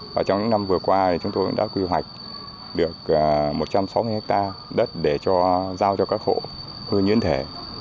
và trong những năm vừa qua thì chúng tôi đã quy hoạch được một trăm sáu mươi ha đất để giao cho các hộ hư nhiễn thể